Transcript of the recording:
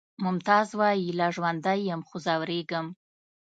ممتاز وایی لا ژوندی یم خو ځورېږم